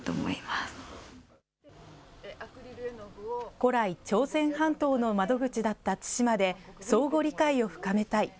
古来、朝鮮半島の窓口だった対馬で、相互理解を深めたい。